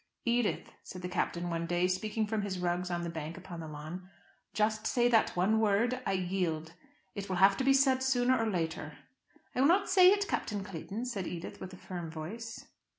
"Edith," said the Captain, one day, speaking from his rugs on the bank upon the lawn, "just say that one word, 'I yield.' It will have to be said sooner or later." "I will not say it, Captain Clayton," said Edith with a firm voice.